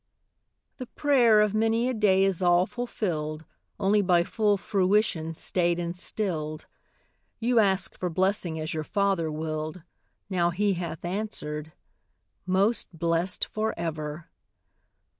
_) The prayer of many a day is all fulfilled, Only by full fruition stayed and stilled; You asked for blessing as your Father willed, Now He hath answered: 'Most blessed for ever!'